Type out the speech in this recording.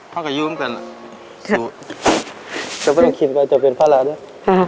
พ่อก็ยุ่งกันสู้แต่ไม่ต้องคิดว่าจะเป็นภาระด้วย